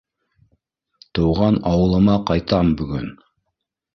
Тыуған ауылыма ҡайтам бөгөн.